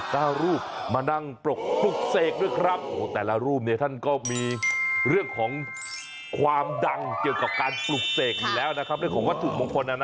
ต้ารูปมานั่งปลกปลุกเสกด้วยครับแต่ละรูปเนี่ยท่านก็มีเรื่องของความดังเกี่ยวกับการปลุกเสกนี่แล้วนะครับ